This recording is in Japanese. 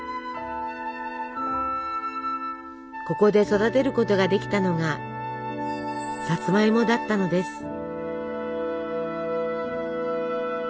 ここで育てることができたのがさつまいもだったのです。